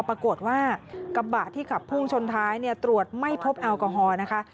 ปรากฏว่ากระบะที่ขับพุ่งชนท้ายตรวจไม่พบแอลกอฮอล์นะคะ